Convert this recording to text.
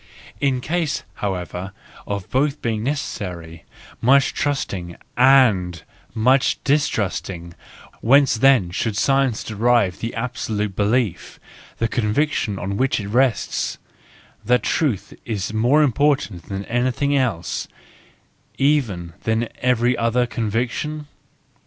In case, however, of both being necessary, much trusting and much distrust¬ ing, whence then should science derive the abso¬ lute belief, the conviction on which it rests, that truth is more important than anything else, even than every other conviction